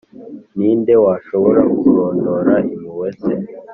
Ni nde washobora kurondora impuhwe ze?